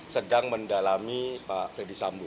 sedang mendalami pak freddy sambu